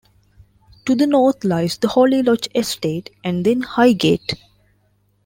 To the north lies the Holly Lodge Estate and then Highgate.